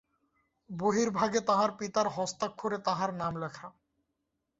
বহির্ভাগে তাহার পিতার হস্তাক্ষরে তাহার নাম লেখা।